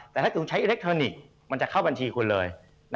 แต่ถ้าเกิดคุณใช้อิเล็กทรอนิกส์มันจะเข้าบัญชีคุณเลย